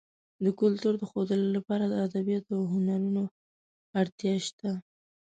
د کلتور د ښودلو لپاره د ادبیاتو او هنرونو اړتیا شته.